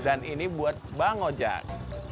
dan ini buat bang ojak